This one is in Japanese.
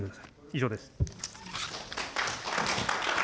以上です。